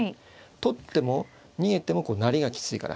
取っても逃げても成りがきついから。